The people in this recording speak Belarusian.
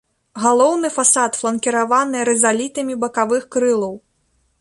Галоўны фасад фланкіраваны рызалітамі бакавых крылаў.